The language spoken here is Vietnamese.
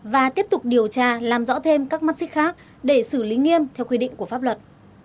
và tiếp tục điều tra làm rõ thêm các mắt xích khác để xử lý nghiêm theo quy định của pháp luật